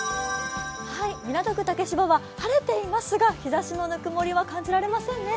港区竹芝は晴れていますが日ざしのぬくもりは感じられませんね。